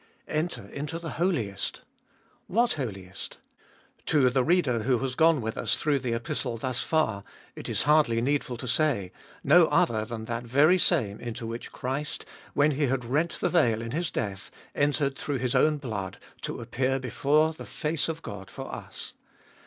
Enter into the Holiest, What Holiest? To the reader who has gone with us through the Epistle thus far, it is hardly needful to say, No other than that very same into which Christ, when He had rent the veil in His death, entered through His own blood, to appear before the face of God for us.